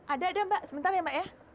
ada ada mbak sebentar ya mbak ya